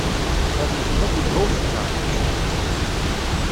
Ar leḥbab ilha ufekkeṛ.